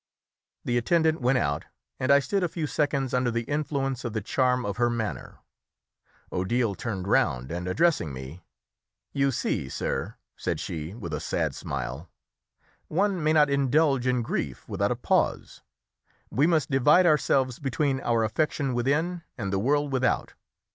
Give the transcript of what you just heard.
The attendant went out, and I stood a few seconds under the influence of the charm of her manner. Odile turned round, and addressing me, "You see, sir," said she with a sad smile, "one may not indulge in grief without a pause; we must divide ourselves between our affection within and the world without."